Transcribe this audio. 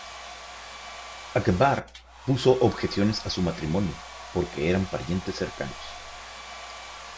Akbar puso objeciones a su matrimonio porque eran parientes cercanos.